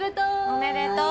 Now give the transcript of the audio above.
おめでとう。